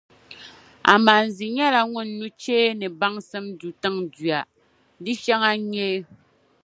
Amanze nyɛla ŋun nucheeni baŋsim du tiŋduya, di shɛŋa nyɛ: